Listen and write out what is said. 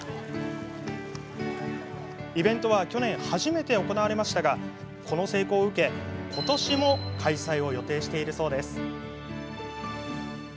イベントは去年初めて行われましたがこの成功を受け、ことしも開催を予定しているそうです。